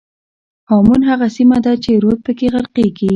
هامون هغه سیمه ده چې رود پکې غرقېږي.